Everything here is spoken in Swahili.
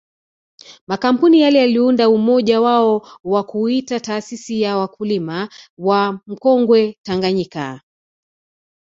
Makampuni yale yaliunda umoja wao na kuuita taasisi ya wakulima wa mkonge Tanganyika